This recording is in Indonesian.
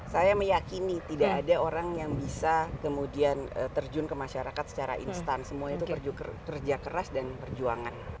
saya meyakini tidak ada orang yang bisa kemudian terjun ke masyarakat secara instan semuanya itu kerja keras dan perjuangan